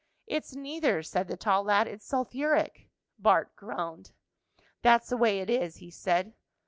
"It's neither," said the tall lad. "It's sulphuric." Bart groaned. "That's the way it is," he said.